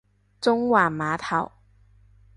中環碼頭